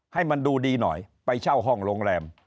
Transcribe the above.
ให้มันดูดีหน่อยไปเช่าห้องโรงแรม